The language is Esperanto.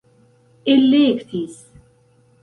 elektis